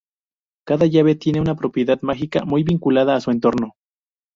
Cada llave tiene una propiedad mágica muy vinculada a su entorno.